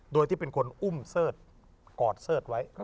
โดยที่เป็นคนอุ้มเสิร์ธกอดเสิร์ธไว้